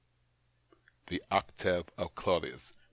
TPIE OCTAVE OF CLAUDIUS.